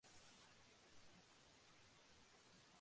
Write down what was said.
হঠাৎ কী এক পাশবিক ইচ্ছা আমাকে যেন ভর করল।